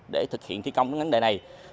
để thực hiện thi công vấn đề này